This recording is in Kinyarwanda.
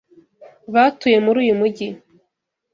Batuye muri uyu mujyi.